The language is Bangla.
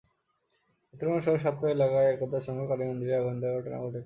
নেত্রকোনা শহরের সাতপাই এলাকায় একতা সংঘ কালী মন্দিরে আগুন দেওয়ার ঘটনা ঘটেছে।